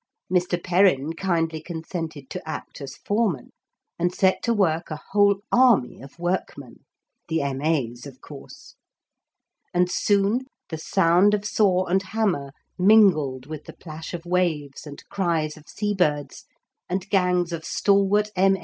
Mr. Perrin kindly consented to act as foreman and set to work a whole army of workmen the M.A.'s of course. And soon the sound of saw and hammer mingled with the plash of waves and cries of sea birds, and gangs of stalwart M.